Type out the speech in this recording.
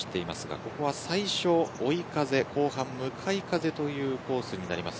ここは最初追い風後半向かい風というコースになります。